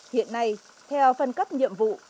hiện nay theo phân cấp nhiệm vụ